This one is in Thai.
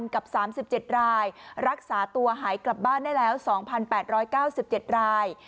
กับ๓๗รายรักษาตัวหายกลับบ้านได้แล้ว๒๘๙๗ราย